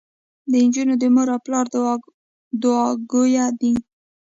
انجونو د مور او پلار دوعاګويه دي.